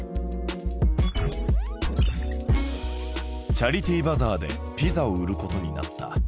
チャリティーバザーでピザを売ることになった。